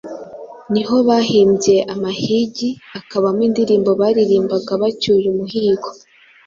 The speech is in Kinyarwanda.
niho bahimbye amahigi, akabamo indirimbo baririmbaga bacyuye umuhigo ,